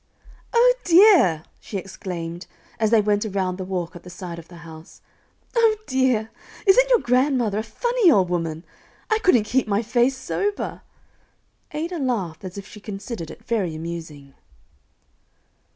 "O dear!" she exclaimed, as they went around the walk at the side of the house; "O dear! Isn't your grandmother a funny old woman! I couldn't keep my face sober." Ada laughed as if she considered it very amusing.